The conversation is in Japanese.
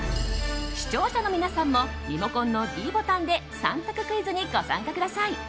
視聴者の皆さんもリモコンのｄボタンで３択クイズにご参加ください。